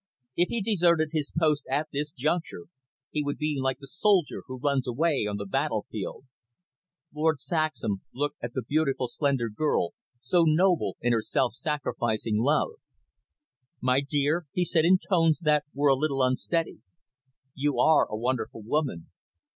If he deserted his post at this juncture, he would be like the soldier who runs away on the battlefield." Lord Saxham looked at the beautiful, slender girl, so noble in her self sacrificing love. "My dear," he said, in tones that were a little unsteady, "you are a wonderful woman.